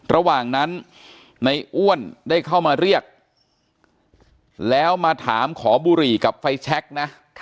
ระหว่างนั้นในอ้วนได้เข้ามาเรียกแล้วมาถามขอบุหรี่กับไฟแช็คนะ